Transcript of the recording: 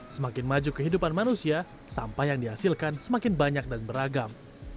semakin maju kehidupan manusia sampah yang dihasilkan semakin banyak dan beragam